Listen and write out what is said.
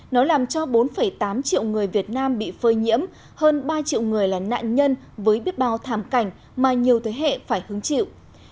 nó làm cho bốn tám triệu người việt nam bị phơi nhiễm hơn ba triệu người là nạn nhân với biết bao thảm cảnh mà nhiều thế hệ phải hứng chịu